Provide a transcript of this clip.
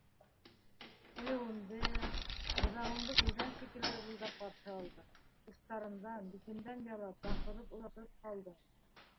Килеүемде, быҙауыңды күргән шикелле, ызылдан ҡаршы алдың, устарымдан, битемдән ялап, баҡырып оҙатып ҡалдың.